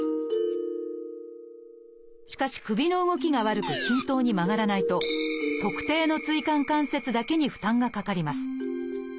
しかし首の動きが悪く均等に曲がらないと特定の椎間関節だけに負担がかかります。